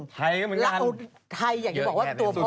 ไทยอยากจะบอกว่าตัวพ่อ